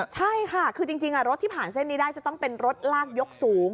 ใช่ค่ะคือจริงรถที่ผ่านเส้นนี้ได้จะต้องเป็นรถลากยกสูง